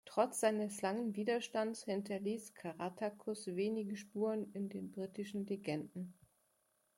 Trotz seines langen Widerstandes hinterließ Caratacus wenige Spuren in britischen Legenden.